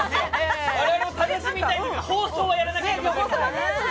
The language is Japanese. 我々も楽しみたいんですけど放送はやらないといけない。